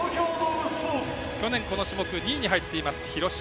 去年この種目２位に入っています、廣島。